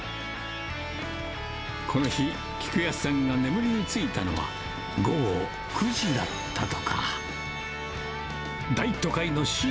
この日、菊安さんが眠りについたのは午後９時だったとか。